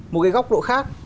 một cái góc độ khác